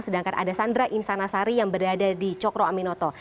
sedangkan ada sandra insanasari yang berada di cokro aminoto